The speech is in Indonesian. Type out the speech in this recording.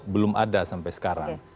belum ada sampai sekarang